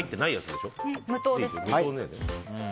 無糖ですね。